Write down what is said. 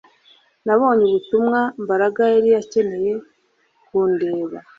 Nabonye ubutumwa Mbaraga yari akeneye kundeba